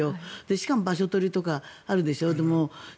しかも場所取りとかあるでしょ。